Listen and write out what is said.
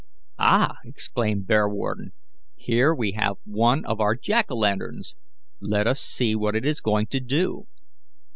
"Ah!" exclaimed Bearwarden, "here we have one of our Jack o' lanterns. Let us see what it is going to do."